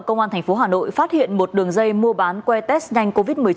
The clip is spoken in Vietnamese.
công an tp hà nội phát hiện một đường dây mua bán que test nhanh covid một mươi chín